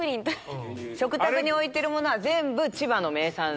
食卓に置いてるものは全部千葉の名産。